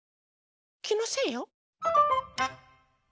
きのせいよ！